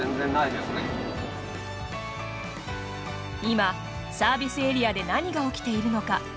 今、サービスエリアで何が起きているのか。